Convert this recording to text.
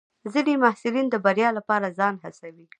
ځینې محصلین د بریا لپاره ځان هڅوي.